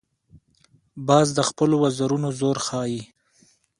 باز د خپلو وزرونو زور ښيي